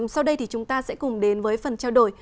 sau đây thì chúng ta sẽ cùng đến với phần trao đổi